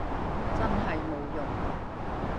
真係冇用